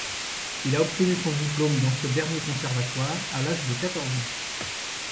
Il a obtenu son diplôme dans ce dernier conservatoire, à l'âge de quatorze ans.